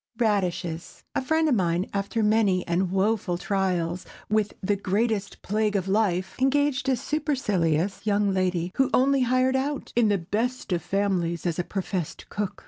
RADISHES. A friend of mine, after many and woful trials with "the greatest plague of life," engaged a supercilious young lady who "only hired out in the best of families as a professed cook."